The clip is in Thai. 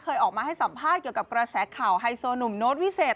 เคยออกมาให้สัมภาษณ์เกี่ยวกับกระแสข่าวไฮโซหนุ่มโน้ตวิเศษ